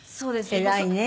偉いね。